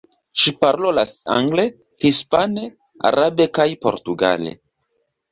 Ŝi parolas angle, hispane, arabe kaj portugale.